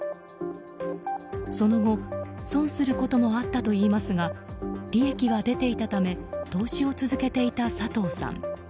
その後、損することもあったといいますが利益が出ていたため投資を続けていた佐藤さん。